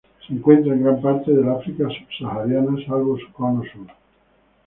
Se encuentra en gran parte del África subsahariana, salvo su cono sur.